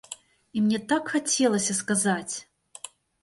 І мне так хацелася сказаць.